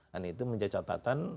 dan itu menjadi catatan panggilan